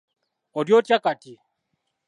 Oli otya kati?